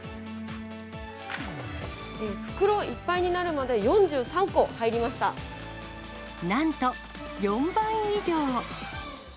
袋いっぱいになるまで４３個なんと、４倍以上。